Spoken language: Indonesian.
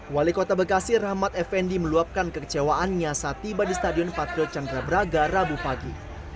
wali kota bekasi rahmat effendi meluapkan kekecewaannya saat tiba di stadion patriot candra braga rabu pagi